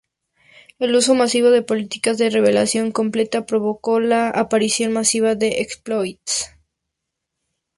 El uso masivo de políticas de revelación completa provocó la aparición masiva de exploits.